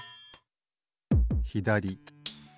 ひだり。